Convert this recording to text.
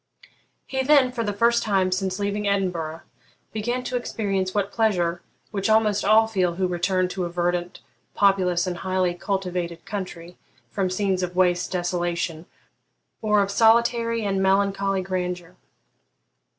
He then, for the first time since leaving Edinburgh, began to experience that pleasure which almost all feel who return to a verdant, populous, and highly cultivated country from scenes of waste desolation or of solitary and melancholy grandeur.